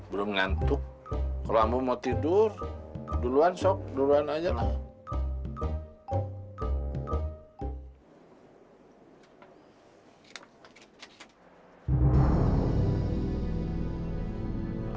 belum ngantuk kalo amu mau tidur duluan sob duluan aja lah